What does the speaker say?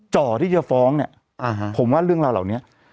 จ่อที่จะฟ้องเนี่ยผมว่าเรื่องราวเหล่านี้